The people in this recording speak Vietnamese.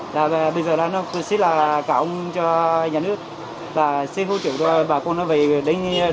bây giờ là xin cả ông cho nhà nước xin hỗ trợ bà con về đến tới nhà luôn